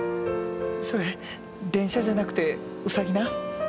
それ電車じゃなくてウサギな。